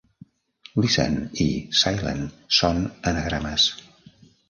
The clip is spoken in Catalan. "Listen" i "silent" són anagrames.